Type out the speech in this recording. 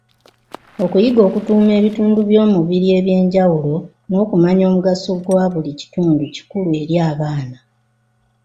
Okuyiga okutuuma ebitundu by’omubiri eby’enjawulo n’okumanya omugaso gwa buli kitundu kikulu eri abaana.